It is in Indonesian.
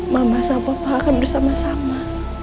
mama sama papa akan bersama sama